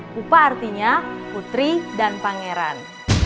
kupa artinya putri dan pangeran